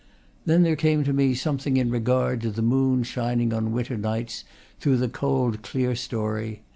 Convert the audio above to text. Then there came to me something in regard to the moon shining on winter nights through the cold clere story.